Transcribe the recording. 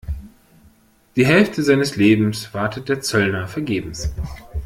Die Hälfte seines Lebens wartet der Zöllner vergebens.